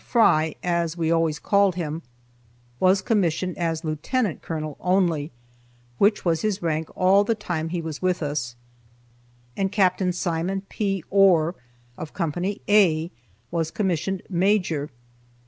Fry (as we always called him) was commissioned as Lieutenant Colonel only, which was his rank all the time he was with us, and Capt. Simon P. Ohr, of Co. A, was commissioned Major.